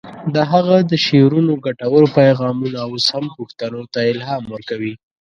د هغه د شعرونو ګټور پیغامونه اوس هم پښتنو ته الهام ورکوي.